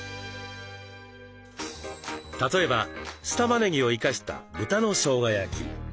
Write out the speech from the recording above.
例えば酢たまねぎを生かした豚のしょうが焼き。